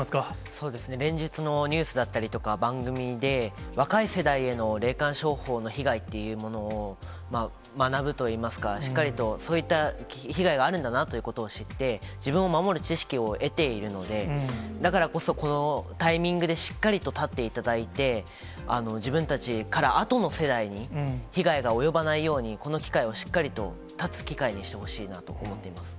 そうですね、連日のニュースだったりとか、番組で、若い世代への霊感商法の被害っていうものを学ぶといいますか、しっかりとそういった被害があるんだなということを知って、自分を守る知識を得ているので、だからこそ、このタイミングでしっかりと絶っていただいて、自分たちからあとの世代に被害が及ばないように、この機会をしっかりと、絶つ機会にしてほしいなと思ってます。